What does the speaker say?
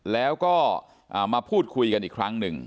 แล้วก็มาพูดคุยกันอีกครั้งหนึ่ง